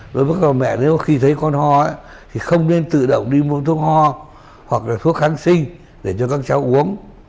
đối với các mẹ nếu có khi thấy con ho thì không nên tự động đi mua thuốc ho hoặc là thuốc kháng sinh để cho các cháu uống